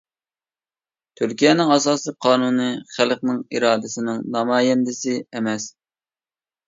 تۈركىيەنىڭ ئاساس قانۇنى خەلقنىڭ ئىرادىسىنىڭ نامايەندىسى ئەمەس.